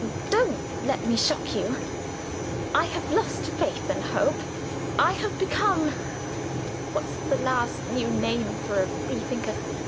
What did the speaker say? Don't let me shock you; I have lost faith and hope; I have become what's the last new name for a free thinker?